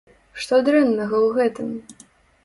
Што дрэннага ў гэтым?